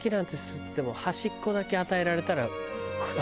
っつっても端っこだけ与えられたら。